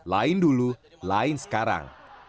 lain dulu lain sekarang